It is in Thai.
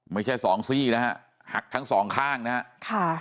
ไม่ใช่สองซี่นะฮะหักทั้งสองข้างนะฮะค่ะ